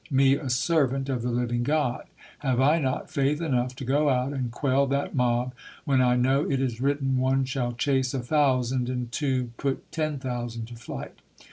Me a servant of the Living God? Have I not faith enough to go out and quell that mob when I know it is writ SOJOURNER TRUTH [ 223 ten one shall chase a thousand and two put ten thousand to flight?"